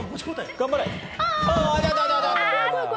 頑張れ！